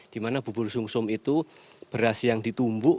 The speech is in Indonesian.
di mana bubur sungsum itu berhasil yang ditumbuk